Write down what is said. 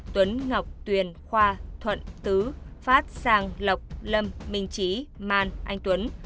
tuấn ngọc tuyền khoa thuận tứ phát sang lộc lâm minh trí man anh tuấn